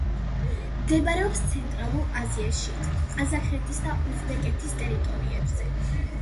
მდებარეობს ცენტრალურ აზიაში, ყაზახეთის და უზბეკეთის ტერიტორიებზე.